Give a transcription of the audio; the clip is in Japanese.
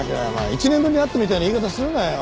１年ぶりに会ったみたいな言い方するなよ。